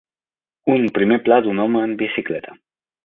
Un primer pla d'un home en bicicleta.